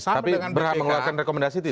tapi berhak mengeluarkan rekomendasi tidak